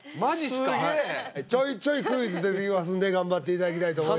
すげえちょいちょいクイズ出てきますんで頑張っていただきたいと思います